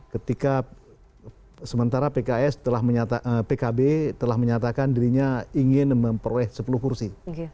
ketika sementara pkb telah menyatakan dirinya ingin memperoleh sepuluh kursi